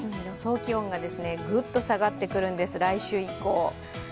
気温がグッと下がってくるんです、来週以降。